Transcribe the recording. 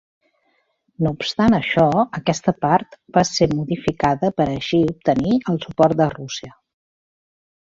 No obstant això, aquesta part va ser modificada per així obtenir el suport de Rússia.